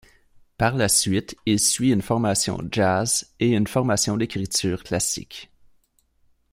Par la suite, il suit une formation jazz et une formation d’écriture classique.